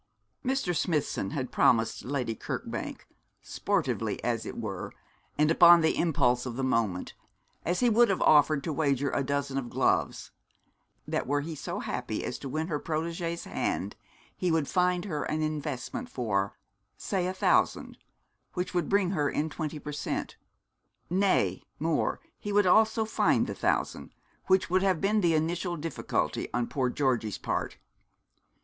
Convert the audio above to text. Mr. Smithson had promised Lady Kirkbank, sportively as it were, and upon the impulse of the moment, as he would have offered to wager a dozen of gloves, that were he so happy as to win her protégée's hand he would find her an investment for, say, a thousand, which would bring her in twenty per cent.; nay, more, he would also find the thousand, which would have been the initial difficulty on poor Georgie's part.